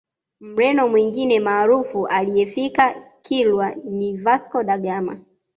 Mreno mwingine maarufu aliyefika Kilwa ni Vasco da Gama